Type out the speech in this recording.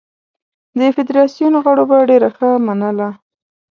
د فدراسیون غړو به ډېره ښه منله.